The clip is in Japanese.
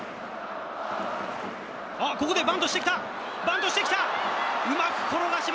あっ、ここでバントしてきた、バントしてきた。